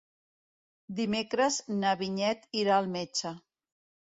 Dimecres na Vinyet irà al metge.